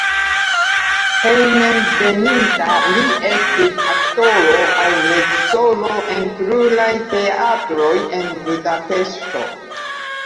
Hejmenveninta li estis aktoro aŭ reĝisoro en pluraj teatroj en Budapeŝto.